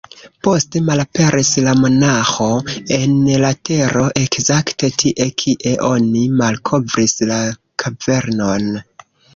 Poste malaperis la monaĥo en la tero ekzakte tie, kie oni malkovris la kavernon.